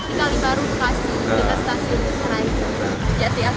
tinggal di baru kekasi di kestasi sarai